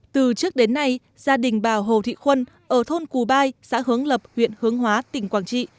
từ trước đến nay gia đình bà hồ thị khuân ở thôn cù bai xã hướng lập huyện hướng hóa tỉnh quảng trị